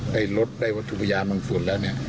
ได้รถได้วัตถุพยานบางส่วนแล้วเนี่ย